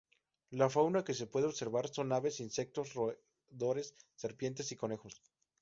La fauna que se puede observar son aves, insectos, roedores, serpientes y conejos.